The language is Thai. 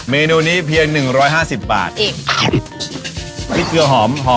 เมนูนี้เพียงหนึ่งร้อยห้าสิบบาทอีกอันนี้เกลือหอมหอม